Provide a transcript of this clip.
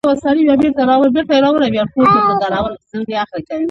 ابن بطوطه هم د برني نوم نه یادوي.